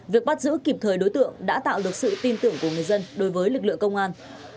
việc bắt giữ kịp thời đối tượng đã tạo được sự tin tưởng của người dân đối với lực lượng công an